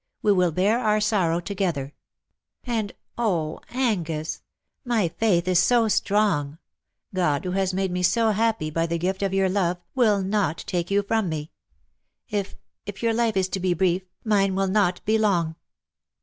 We will bear our sorrow together. And, oh, Angus! my faith is so strong. God^ who has made me so happy by the gift of your love^ will not take you from me. If — if your life is to be brief, mine will not be long."